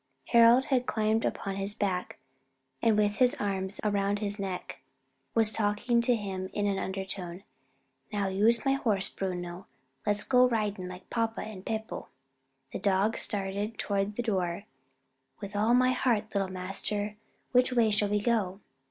Harold had climbed upon his back, and with his arms around his neck, was talking to him in an undertone. "Now you's my horse, Bruno; let's go ridin' like papa and Beppo." The dog started toward the door. "With all my heart, little master; which way shall we go?"